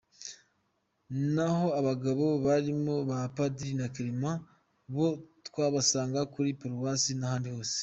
Naho abagabo barimo ba Padiri na Clement bo twabasanga kuri Paruwasi n’ahandi hose.